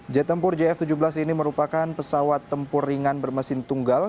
jet tempur jf tujuh belas ini merupakan pesawat tempur ringan bermesin tunggal